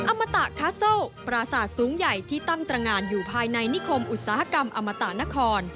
อมตะคัสเซิลปราศาสตร์สูงใหญ่ที่ตั้งตรงานอยู่ภายในนิคมอุตสาหกรรมอมตะนคร